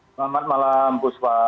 selamat malam bu sva